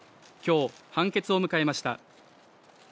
今日、判決を迎えました。